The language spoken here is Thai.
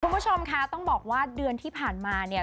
คุณผู้ชมคะต้องบอกว่าเดือนที่ผ่านมาเนี่ย